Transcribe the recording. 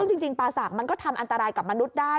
จริงปลาสักมันก็ทำอันตรายกับมนุษย์ได้